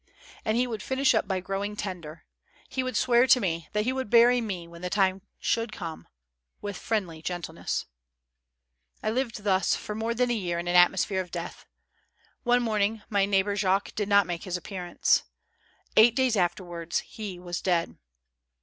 And he would finish up by growing tender; he would swear to me that he would bury me, when the time should come, with friendly gentleness. MY NEIGHBOR JACQUES. 311 I lived tlius for more than a year in an atmosphere of death. One morning my neighbor Jacques did not make his appearance. Eight days afterwards, he was dead.